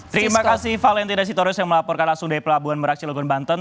terima kasih valentina sitorus yang melaporkan langsung dari pelabuhan merak cilogon banten